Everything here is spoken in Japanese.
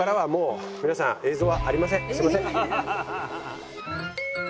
すみません。